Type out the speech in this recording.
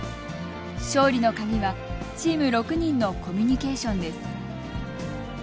勝利の鍵はチーム６人のコミュニケーションです。